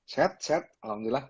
sehat sehat alhamdulillah